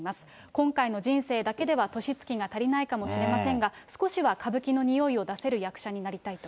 今回の人生だけでは年月が足りかもしれませんが、少しは歌舞伎のにおいを出せる役者になりたいと。